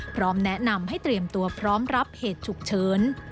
พร้อมแนะนำให้เตรียมตัวพร้อมรับเหตุฉุกเฉิน